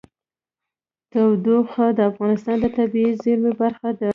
تودوخه د افغانستان د طبیعي زیرمو برخه ده.